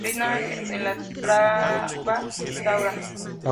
Rinaldi en La esclava Isaura